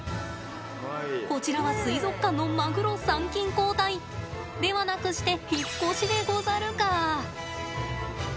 こちらは水族館のマグロ参勤交代ではなくして引っ越しでござるか。